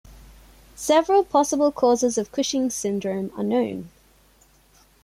Several possible causes of Cushing's syndrome are known.